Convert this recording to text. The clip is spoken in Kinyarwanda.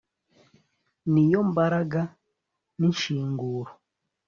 n'iyo mbaraga n'inshinguro